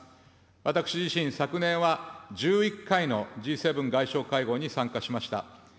私自身、昨年は１１回のＧ７外相会合に参加しました。